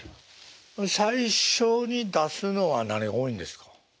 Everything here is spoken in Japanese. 最初に出すのは何が多いんですか？